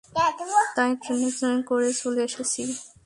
তাই ট্রেনে করে চলে এসেছি।